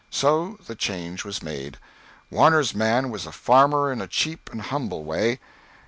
So the change was made. Warner's man was a farmer in a cheap and humble way.